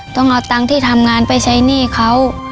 ต้องเอาตังค์ที่ทำงานไปใช้หนี้เขา